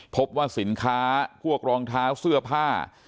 พบว่าสินค้าพวกรองเท้าเสื้อผ้า